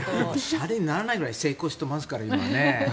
しゃれにならないくらい成功してますから、今ね。